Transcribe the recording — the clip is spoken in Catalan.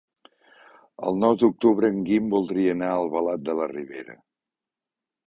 El nou d'octubre en Guim voldria anar a Albalat de la Ribera.